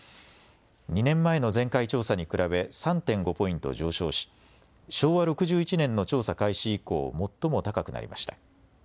２年前の前回調査に比べ３．５ポイント上昇し昭和６１年の調査開始以降、最も高くなりました。